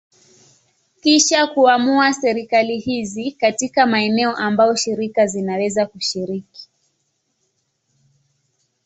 Kisha kuamua serikali hizi katika maeneo ambayo shirika zinaweza kushiriki.